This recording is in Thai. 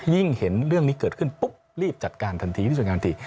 เห็นเรื่องนี้เกิดขึ้นปุ๊บรีบจัดการทันทีที่สุดทันที